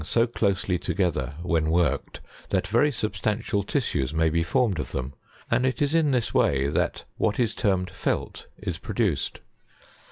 91 closely together when worked, that very substantial tissues may be formed of them, and it is in this way that what is termed jtlt is produced.